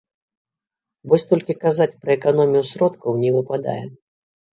Вось толькі казаць пра эканомію сродкаў не выпадае.